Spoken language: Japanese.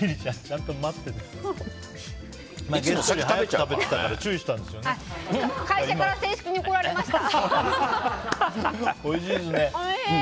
会社から正式に怒られました。